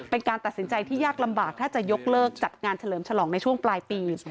เป็นการตัดสินใจที่ยากลำบากถ้าจะยกเลิกจัดงานเฉลิมฉลองในช่วงปลายปี